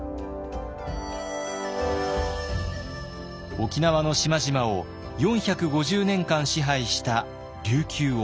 沖縄の島々を４５０年間支配した琉球王国。